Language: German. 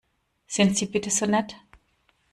Sind Sie bitte so nett?